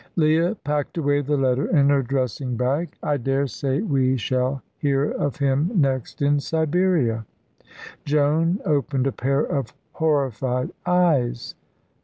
Leah packed away the letter in her dressing bag. "I daresay we shall hear of him next in Siberia." Joan opened a pair of horrified eyes.